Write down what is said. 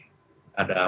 ada masalah apa